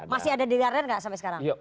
masih ada di radar gak sampai sekarang